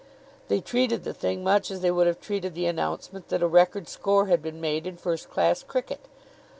They treated the thing much as they would have treated the announcement that a record score had been made in first class cricket.